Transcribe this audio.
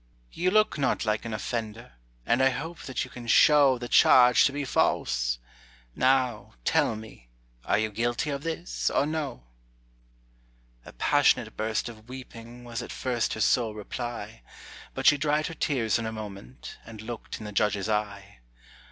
"You look not like an offender, And I hope that you can show The charge to be false. Now, tell me, Are you guilty of this, or no?" A passionate burst of weeping Was at first her sole reply; But she dried her tears in a moment, And looked in the judge's eye.